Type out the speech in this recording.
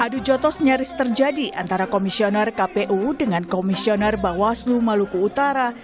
adu jotos nyaris terjadi antara komisioner kpu dengan komisioner bawaslu maluku utara